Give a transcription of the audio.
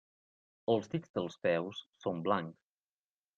Els dits del peu són blancs.